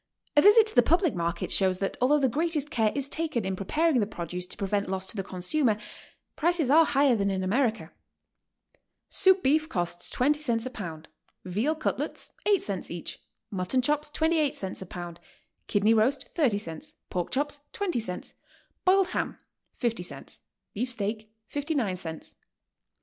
A visit to the public market shows that, although the greatest care is taken in preparing the produce to prevent loss to the consumer, prices are higher than in America. Soup beef costs 20 cents a pound, veal cutlets 8 cents each, mutton chops 28 cents a pound, kidney 156 GOING ABROAD? roast 30 cents, pork chops 20 cents, boiled ham 50 cents, beef steak 59 cents.